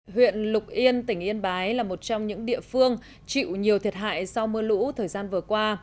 huyện lục yên tỉnh yên bái là một trong những địa phương chịu nhiều thiệt hại do mưa lũ thời gian vừa qua